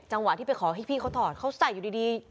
ที่ไปขอให้พี่เขาถอดเขาใส่อยู่ดี